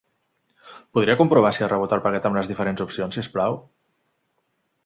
Podria comprovar si ha rebut el paquet amb les diferents opcions, si us plau?